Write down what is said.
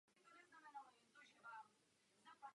To neříkám já, ale orgány zodpovědné za sledování situace.